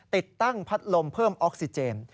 ติดตั้งพัดลมเพิ่มออกซิเจน